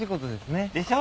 でしょう？